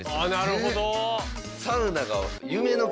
なるほど。